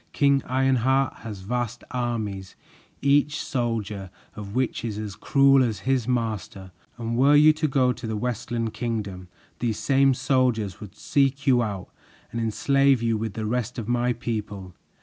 King Ironheart has vast armies, each soldier of which is as cruel as his master, and were you to go to the Westland Kingdom, these same soldiers would seek you out and enslave you with the rest of my people.